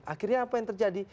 akhirnya apa yang terjadi